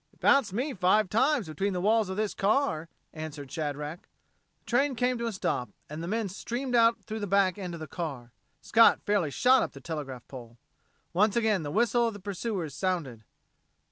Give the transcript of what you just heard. "It bounced me five times between the walls of this car," answered Shadrack. The train came to a stop and the men streamed out through the back end of the car. Scott fairly shot up the telegraph pole. Once again the whistle of the pursuers sounded.